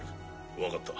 分かった。